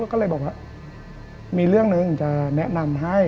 ก็เลยบอกว่ามีเรื่องหนึ่งจะแนะนำให้